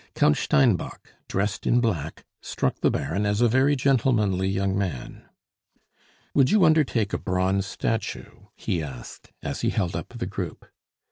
Count Steinbock, dressed in black, struck the Baron as a very gentlemanly young man. "Would you undertake a bronze statue?" he asked, as he held up the group.